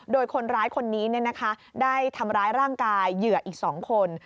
โดยคนร้ายคนนี้ได้ทำร้ายร่างกายเหยื่ออีก๒คน